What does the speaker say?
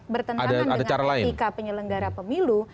bertentangan dengan etika penyelenggara pemilu